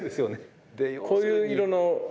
こういう色の。